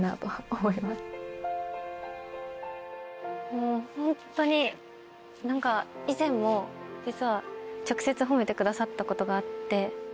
もうホントに何か以前も実は直接褒めてくださったことがあって。